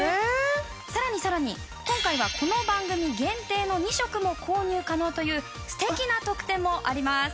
さらにさらに今回はこの番組限定の２色も購入可能という素敵な特典もあります。